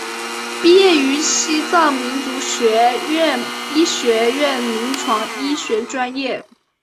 毕业于西藏民族学院医学院临床医学专业。